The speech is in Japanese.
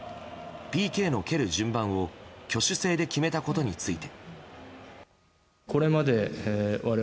ＰＫの蹴る順番を挙手制で決めたことについて。